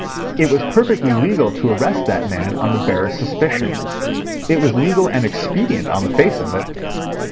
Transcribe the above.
It was perfectly legal to arrest that man on the barest suspicion. It was legal and expedient on the face of it.